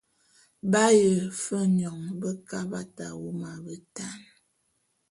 B’aye fe nyoň bekabat awom a betan.